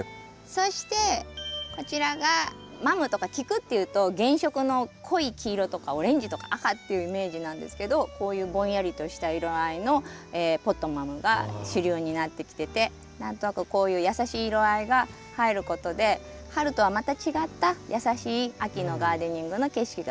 そしてこちらがマムとかキクっていうと原色の濃い黄色とかオレンジとか赤っていうイメージなんですけどこういうぼんやりとした色合いのポットマムが主流になってきてて何となくこういう優しい色合いが入ることで春とはまた違った優しい秋のガーデニングの景色が作れるかなって思います。